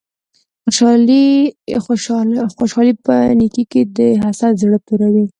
خوشحالی په نیکې کی ده حسد زړه توروی